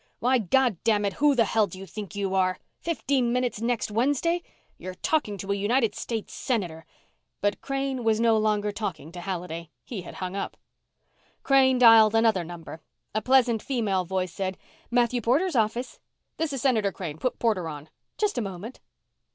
Why, goddamn it, who the hell do you think you are?.... Fifteen minutes next Wednesday? You're talking to a United States Senator " But Crane was no longer talking to Halliday. He had hung up. Crane dialed another number. A pleasant female voice said, "Matthew Porter's office." "This is Senator Crane. Put Porter on." "Just a moment."